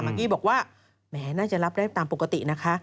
กี้บอกว่าแหมน่าจะรับได้ตามปกตินะคะ